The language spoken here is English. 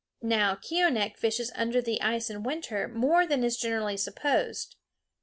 Now Keeonekh fishes under the ice in winter more than is generally supposed.